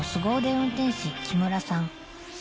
運転士木村さん